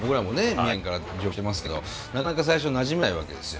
宮城県から上京してますけどなかなか最初なじめないわけですよ。